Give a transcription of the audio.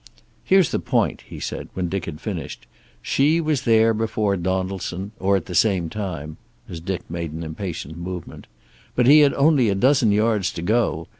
"Here's the point," he said, when Dick had finished. "She was there before Donaldson, or at the same time," as Dick made an impatient movement. "But he had only a dozen yards to go.